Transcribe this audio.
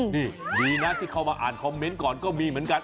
นี่ดีนะที่เข้ามาอ่านคอมเมนต์ก่อนก็มีเหมือนกัน